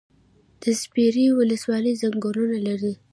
د سپیرې ولسوالۍ ځنګلونه لري